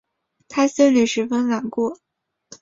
她心里十分难过